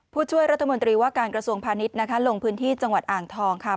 ผู้ช่วยรัฐมนตรีว่าการกระทรวงพาณิชย์นะคะลงพื้นที่จังหวัดอ่างทองค่ะ